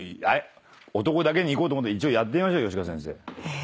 男だけにいこうと一応やってみましょう吉川先生。